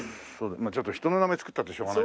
ちょっと人の名前作ったってしょうがない。